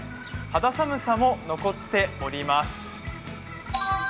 肌寒さも残っております。